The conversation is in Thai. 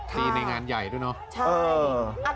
ในงานใหญ่ด้วยเนาะ